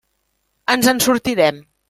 Ens en sortirem.